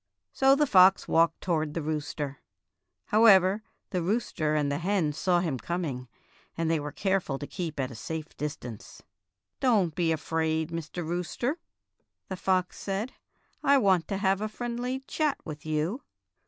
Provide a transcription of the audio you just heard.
So the fox walked toward the rooster. However, the rooster and the hen saw him coming, and they were careful to keep at a safe distance. "Don't be afraid, Mr. Rooster," the fox said; "I want to have a friendly chat with you."